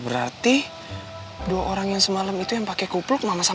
berarti dua orang semalam yang pake kukluk mama dan adriana